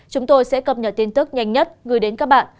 chúng tôi sẽ cập nhật tin tức nhanh nhất gửi đến các bạn